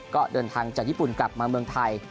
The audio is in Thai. ก็เดินทางจากญี่ปุ่นกลับมาเมืองไทย